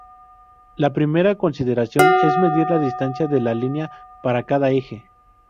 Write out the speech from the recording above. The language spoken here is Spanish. La primera consideración es medir la distancia de la línea para cada eje.